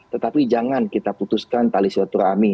tetapi jangan kita putuskan tali selatu rame